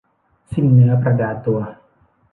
สิ้นเนื้อประดาตัว